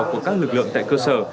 của các lực lượng tại cơ sở